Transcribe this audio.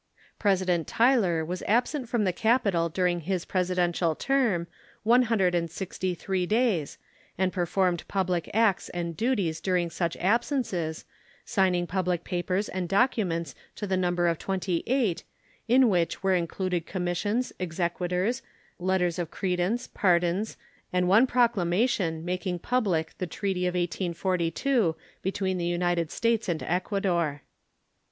President Tyler was absent from the capital during his Presidential term one hundred and sixty three days, and performed public acts and duties during such absences, signing public papers and documents to the number of twenty eight, in which were included commissions, exequaturs, letters of credence, pardons, and one proclamation making public the treaty of 1842 between the United States and Ecuador.